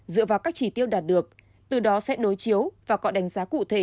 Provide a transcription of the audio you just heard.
dựa vào các chỉ tiêu đạt được từ đó sẽ đối chiếu và có đánh giá cụ thể